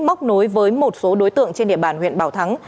móc nối với một số đối tượng trên địa bàn huyện bảo thắng